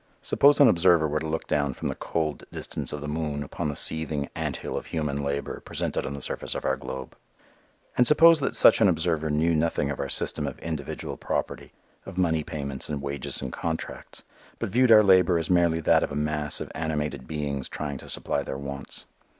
Suppose an observer were to look down from the cold distance of the moon upon the seething ant hill of human labor presented on the surface of our globe; and suppose that such an observer knew nothing of our system of individual property, of money payments and wages and contracts, but viewed our labor as merely that of a mass of animated beings trying to supply their wants.